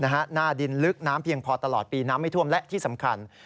หน้าดินลึกน้ำเพียงพอตลอดปีน้ำไม่ท่วมและที่สำคัญ